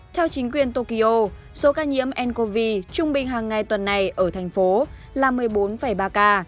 theo chính quyền tokyo số ca nhiễm ncov trung bình hàng ngày tuần này ở thành phố là một mươi bốn ba ca